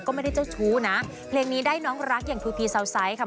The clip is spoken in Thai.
ก็ไม่ได้เจ้าชู้นะเพลงนี้ได้น้องรักอย่างทูพีเซาไซส์ค่ะ